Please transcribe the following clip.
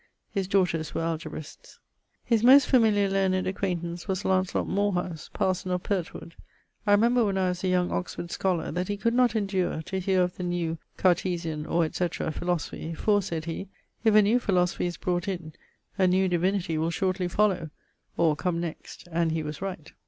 His daughters were Algebrists. His most familiar learned acquaintance was Lancelot Morehouse, parson of Pertwood. I remember when I was a young Oxford scholar, that he could not endure to heare of the New (Cartesian, or &c.) Philosophy; 'for,' sayd he, 'if a new philosophy is brought in, a new divinity will shortly follow' (or 'come next'); and he was right.